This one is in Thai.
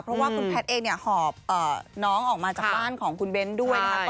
เพราะว่าคุณแพทย์เองเนี่ยหอบน้องออกมาจากบ้านของคุณเบ้นด้วยนะครับ